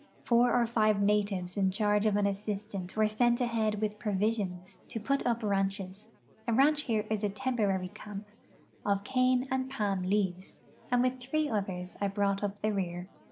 Four or five natives in charge of an assistant were sent ahead with provisions, to put up ranches (a ranch here is a temporary camp) of cane and palm leaves, and with three others I brought up the rear.